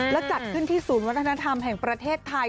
และจัดขึ้นที่ศูนย์วัฒนธรรมแห่งประเทศไทย